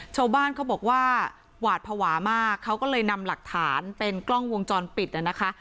ชาวบ้านเขาบอกว่าหวาดภาวะมากเขาก็เลยนำหลักฐานเป็นกล้องวงจรปิดนะคะ